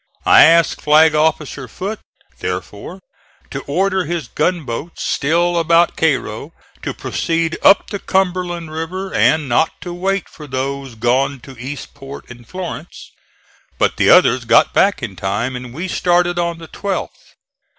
I asked Flag officer Foote, therefore, to order his gunboats still about Cairo to proceed up the Cumberland River and not to wait for those gone to Eastport and Florence; but the others got back in time and we started on the 12th.